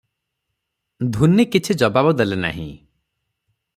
ଧୂନି କିଛି ଜବାବ ଦେଲେ ନାହିଁ ।